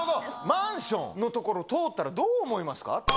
マンションの所、通ったらどう思いますか？